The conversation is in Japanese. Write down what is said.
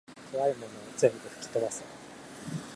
こわいもの全部ふきとばせ